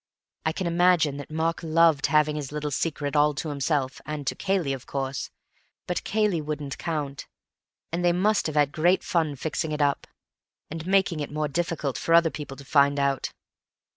I can imagine that Mark loved having this little secret all to himself—and to Cayley, of course, but Cayley wouldn't count—and they must have had great fun fixing it up, and making it more difficult for other people to find out.